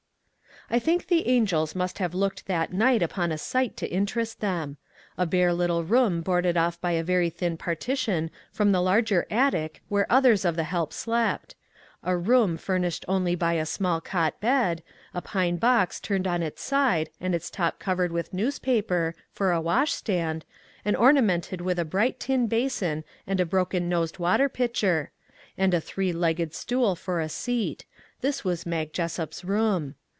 I think the angels must have looked that night upon a sight to interest them. A bare little room boarded off by a very thin partition from the larger attic where others of the help slept ; a room furnished only by a small cot bed, a pine box turned on its side and its top covered with newspaper, for a washstand, and orna mented with a bright tin basin and a broken nosed water pitcher; and a three legged stool for a seat this was Mag Jessup's room.